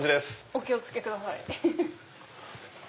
お気を付けください。